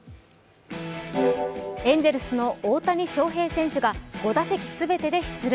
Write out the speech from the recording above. エンゼルスの大谷翔平選手が５打席全てで出塁。